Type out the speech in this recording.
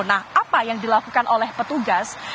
nah apa yang dilakukan oleh petugas